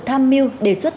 tham mưu đề xuất